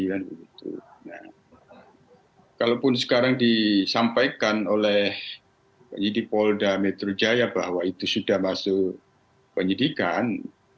nah kalaupun sekarang disampaikan oleh penyidik polda metro jaya bahwa itu sudah masuk penyidikan